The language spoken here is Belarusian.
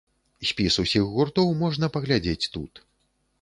Спіс усіх гуртоў можна паглядзець тут.